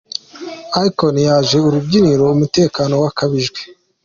Akon yaje ku rubyiniro umutekano wakajijwe.